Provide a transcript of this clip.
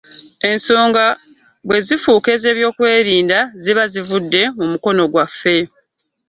Ensonga bwe zifuuka ez'ebyokwerinda ziba zivudde mu mukono fwaffe